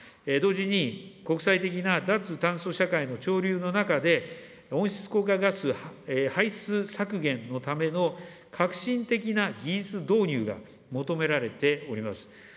同時に、国際的な脱炭素社会の潮流の中で、温室効果ガス排出削減のための革新的な技術導入が求められております。